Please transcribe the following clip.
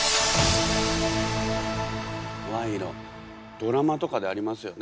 ドラマとかでありますよね。